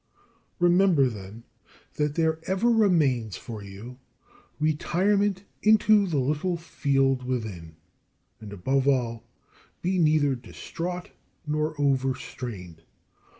Remember then that there ever remains for you retirement into the little field within. And, above all, be neither distraught nor overstrained.